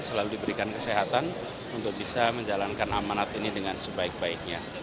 selalu diberikan kesehatan untuk bisa menjalankan amanat ini dengan sebaik baiknya